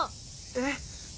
えっ⁉